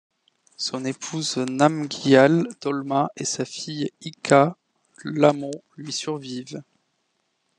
Son épouse Namgyal Dolma et sa fille Yiga Lhamo lui survivent.